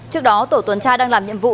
trước đó tổ tuần trai đang làm nhiệm vụ